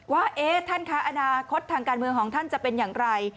ว่าท่านคะอนาคตทางการเมืองของท่านจะเป็นอย่างไร